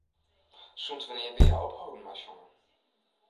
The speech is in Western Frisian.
Sûnt wannear wie hja opholden mei sjongen?